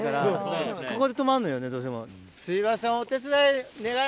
すいません。